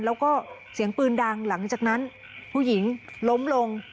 แล้วก็เสียงปืนดังหลังจากนั้นผู้หญิงล้มลง